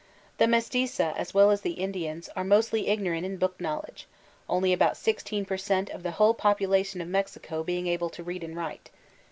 The mestiza, as well as the Indians, are mostly igDor ant in book knowledge, only about sixteen per cent, of the whole population of Mexico being able to read and write.